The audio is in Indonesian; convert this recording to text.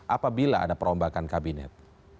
apabila ada perombakan kabinet